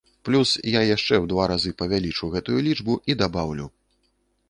Плюс я яшчэ ў два разы павялічу гэтую лічбу і дабаўлю.